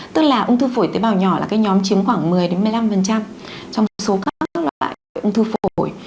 tức là ung thư phổi tế bào nhỏ là cái nhóm chiếm khoảng một mươi một mươi năm trong số các loại ung thư phổi